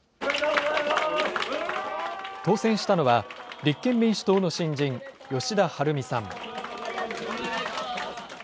当選したのは、立憲民主党の新人、吉田晴美さん。